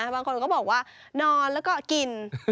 บางคนก็บอกว่านอนแล้วก็กิน